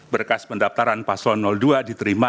berkas pendaftaran paslon dua diterima